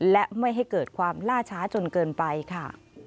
และไม่ให้เกิดความล่าช้าจนเกินไปค่ะ